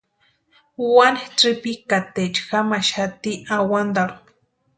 Wani tsïpikataecha jamaxati awantarhu.